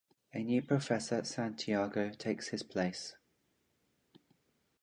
A new professor Santiago takes his place.